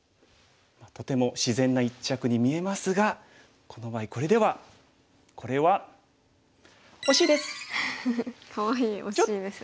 とても自然な一着に見えますがこの場合これではこれはかわいい「おしい」ですね。